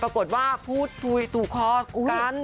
ปรากฏว่าพูดคุยถูกคอกัน